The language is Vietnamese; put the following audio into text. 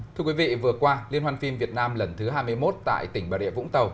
thưa quý vị vừa qua liên hoan phim việt nam lần thứ hai mươi một tại tỉnh bà địa vũng tàu